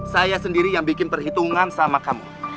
saya sendiri yang bikin perhitungan sama kamu